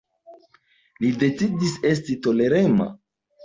Li decidis esti tolerema.